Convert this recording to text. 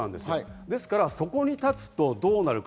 ですから、そこに立つとどうなるか。